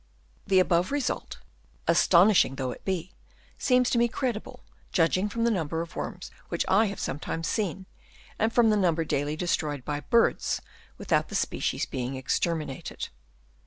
The above result, astonishing though it be, seems to me credible, judging from the number of worms which I have sometimes seen, and from the number daily destroyed by birds without the species being exterminated.